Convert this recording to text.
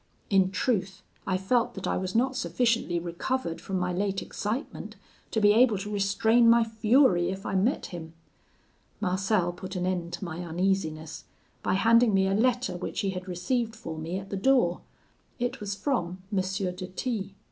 In truth, I felt that I was not sufficiently recovered from my late excitement to be able to restrain my fury if I met him. Marcel put an end to my uneasiness, by handing me a letter which he had received for me at the door; it was from M. de T